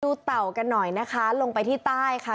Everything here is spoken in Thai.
เต่ากันหน่อยนะคะลงไปที่ใต้ค่ะ